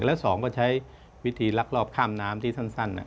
และ๒ก็ใช้วิธีลักลอบข้ามน้ำที่สั้น